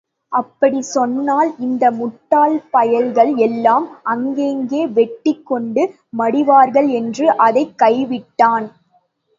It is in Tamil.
அப்படிச் சொன்னால் இந்த முட்டாள் பயல்கள் எல்லாம் அங்கேயே வெட்டிக் கொண்டு மடிவார்கள் என்று அதைக் கைவிட்டான்.